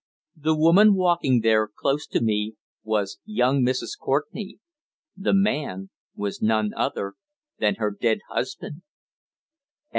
The woman walking there, close to me, was young Mrs. Courtenay the man was none other than her dead husband!